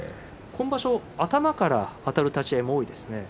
今場所は頭からあたる立ち合いが多いですね。